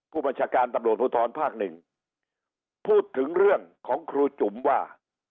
ผู้บัญชาการตำรวจภูทรภาคหนึ่งพูดถึงเรื่องของครูจุ๋มว่า